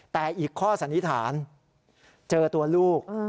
แต่อีกข้อสันนิษฐานเจอตัวลูก